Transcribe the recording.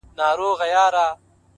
مثبت فکر د ارام ژوند ملګری دی’